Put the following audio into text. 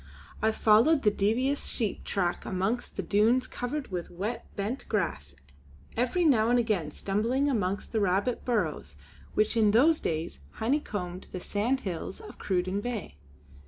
I followed the devious sheep track amongst the dunes covered with wet bent grass, every now and again stumbling amongst the rabbit burrows which in those days honeycombed the sandhills of Cruden Bay.